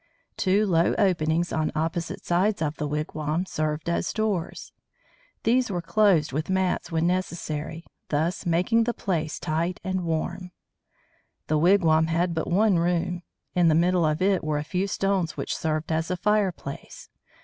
Two low openings on opposite sides of the wigwam served as doors. These were closed with mats when necessary, thus making the place tight and warm. The wigwam had but one room. In the middle of it were a few stones which served as a fireplace.